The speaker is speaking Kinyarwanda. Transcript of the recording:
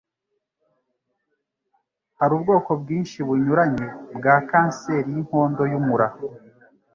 Hari ubwoko bwinshi bunyuranye bwa kanseri y'inkondo y'umura